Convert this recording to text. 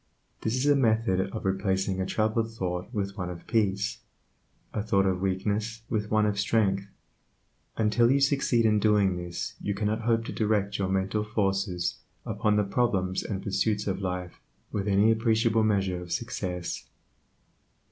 This is a method of replacing a troubled thought with one of peace, a thought of weakness with one of strength. Until you succeed in doing this you cannot hope to direct your mental forces upon the problems and pursuits of life with any appreciable measure of success.